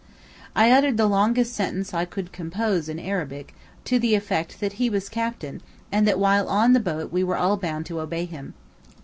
I uttered the longest sentence I could compose in Arabic, to the effect that he was captain, and that while on the boat we were all bound to obey him.